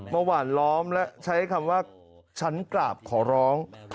หวานล้อมและใช้คำว่าฉันกราบขอร้อง